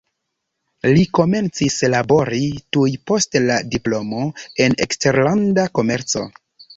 Li komencis labori tuj post la diplomo en eksterlanda komerco.